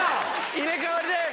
入れ替わりで。